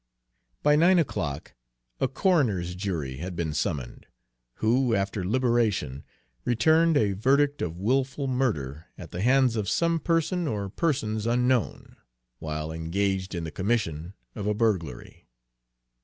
By nine o'clock a coroner's jury had been summoned, who, after brief deliberation, returned a verdict of willful murder at the hands of some person or persons unknown, while engaged in the commission of a burglary.